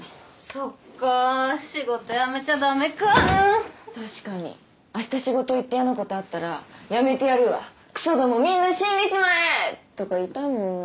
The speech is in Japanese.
そっか仕事辞めちゃダメか確かにあした仕事行って嫌なことあったら辞めてやるわクソどもみんな死んでしまえ！とか言いたいもんな